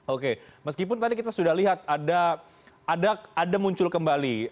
oke meskipun tadi kita sudah lihat ada muncul kembali